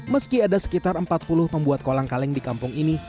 meski ada sekitar empat puluh pembuat kolang kaling di kampung ini